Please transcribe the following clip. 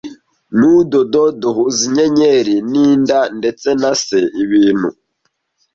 N'udodo duhuza inyenyeri, n'inda ndetse na se-ibintu,